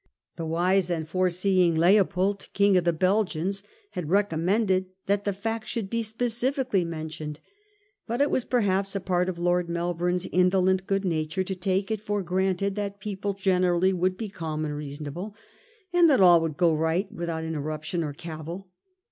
The wise and foreseeing Leopold, King of the Belgians, had recom mended that the fact should be specifically men tioned ; but it was perhaps apart of Lord Melbourne's indolent good nature to take it for granted that people generally would be calm and reasonable, and that all would go right without interruption or cavil.